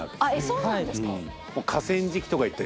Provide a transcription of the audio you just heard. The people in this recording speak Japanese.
そうなんですか。